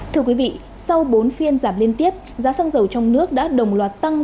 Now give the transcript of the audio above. thưa quý vị sau bốn phiên giảm liên tiếp giá xăng dầu trong nước đã đồng loạt tăng